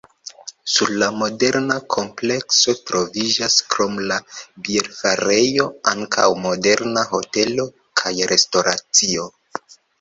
Sur la moderna komplekso troviĝas krom la bierfarejo ankaŭ moderna hotelo kaj restoracio.